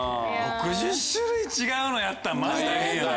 ６０種類違うのやったらマジ大変やね。